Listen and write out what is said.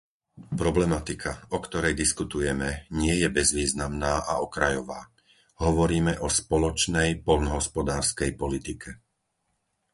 Problematika, o ktorej diskutujeme, nie je bezvýznamná a okrajová. Hovoríme o spoločnej poľnohospodárskej politike.